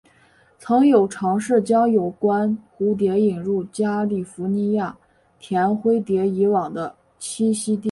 曾有尝试将有关的蝴蝶引入加利福尼亚甜灰蝶以往的栖息地。